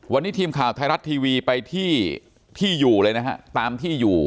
วันนี้ทีมข่าวไทยรัฐทีวีไปที่ที่อยู่เลยนะฮะตามที่อยู่